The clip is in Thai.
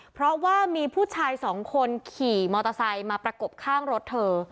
เพราะว่ามีผู้ชายสองคนขี่มอเตอร์ไซค์มาประกบข้างรถเธอ